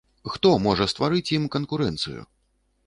Хто можа стварыць ім канкурэнцыю?